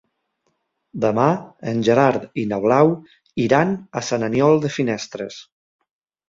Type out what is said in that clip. Demà en Gerard i na Blau iran a Sant Aniol de Finestres.